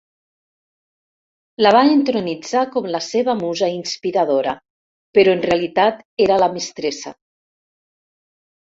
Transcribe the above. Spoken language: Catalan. La va entronitzar com la seva musa inspiradora, però en realitat era la mestressa.